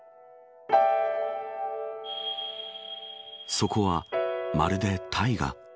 そこは、まるで大河。